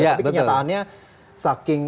tapi kenyataannya saking